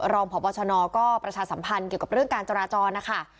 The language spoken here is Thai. รองพบชนก็ประชาสัมพันธ์เกี่ยวกับเรื่องการจราจรนะคะ